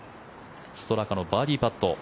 ストラカのバーディーパット。